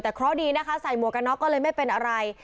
แต่เพราะดีนะคะใส่มวกนอกก็เลยไม่เป็นอะไร